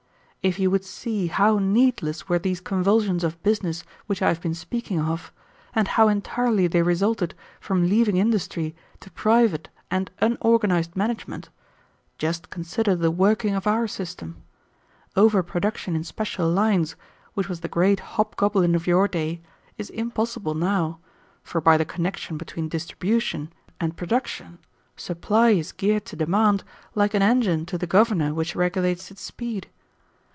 "If you would see how needless were these convulsions of business which I have been speaking of, and how entirely they resulted from leaving industry to private and unorganized management, just consider the working of our system. Overproduction in special lines, which was the great hobgoblin of your day, is impossible now, for by the connection between distribution and production supply is geared to demand like an engine to the governor which regulates its speed.